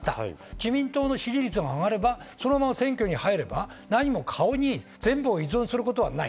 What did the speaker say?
自民党の支持率が上がれば、そのまま選挙に入れば、何も顔に全部依存することはない。